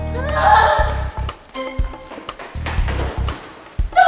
tak ada apa apa